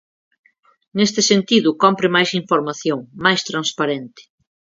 Neste sentido, cómpre máis información, máis transparente.